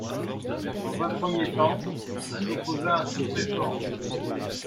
Dans un premier temps, il s’opposa à toute réforme.